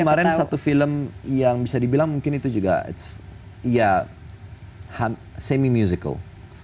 kemarin satu film yang bisa dibilang mungkin itu juga ya semi musical